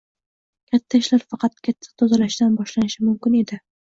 Katta ishlar faqat katta tozalashdan boshlanishi mumkin edi